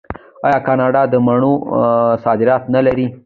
آیا کاناډا د مڼو صادرات نلري؟